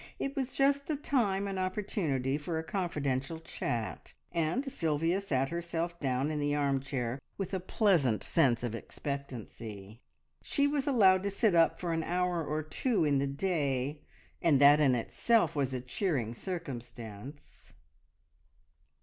It was just the time and opportunity for a confidential chat, and Sylvia sat herself down in the arm chair with a pleasant sense of expectancy. She was allowed to sit up for an hour or two in the day, and that in itself was a cheering circumstance.